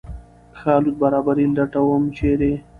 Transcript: ښه الوت برابري لټوم ، چېرې ؟